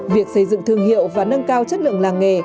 việc xây dựng thương hiệu và nâng cao chất lượng làng nghề